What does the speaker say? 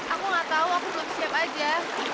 aku nggak tahu aku belum siap aja